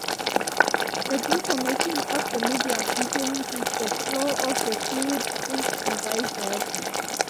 The deformation of the medium influences the flow of the fluid and vice versa.